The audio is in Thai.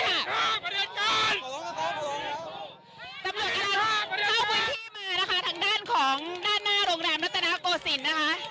ตำรวจกำลังเข้าพื้นที่มานะคะทางด้านของด้านหน้าโรงแรมรัตนโกศิลป์นะคะ